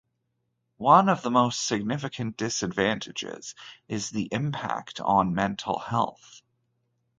One of the most significant disadvantages is the impact on mental health.